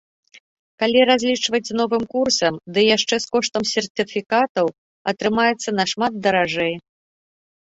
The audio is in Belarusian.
Калі разлічваць з новым курсам, ды яшчэ з коштамі сертыфікатаў, атрымаецца нашмат даражэй.